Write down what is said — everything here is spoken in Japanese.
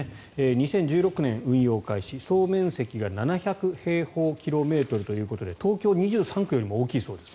２０１６年運用開始総面積が７００平方キロメートルということで東京２３区よりも大きいそうです